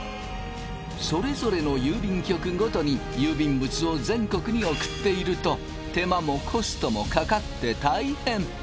それぞれの郵便局ごとに郵便物を全国に送っていると手間もコストもかかって大変。